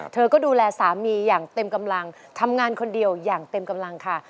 เธอก็ดูแลสามีอย่างเต็มกำลังทำงานคนเดียวอย่างเต็มกำลังค่ะ